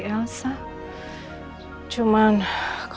gak ada siapa seorang pria